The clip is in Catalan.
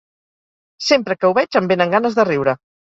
Sempre que ho veig em vénen ganes de riure.